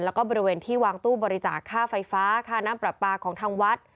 แล้วก็บริเวณที่วางตู้บริจาคค่าไฟฟ้าค่าน้ำปรับปลาของทางวัด